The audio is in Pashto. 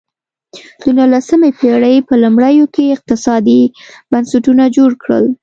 د نولسمې پېړۍ په لومړیو کې اقتصادي بنسټونه جوړ کړل.